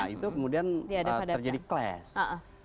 itu kemudian terjadi clash